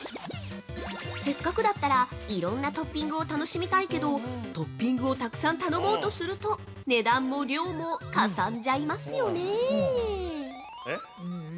◆せっかくだったら、いろんなトッピングを楽しみたいけどトッピングをたくさん頼もうとすると値段も量もかさばっちゃいますよね？